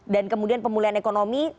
dan kemudian pemulihan ekonomi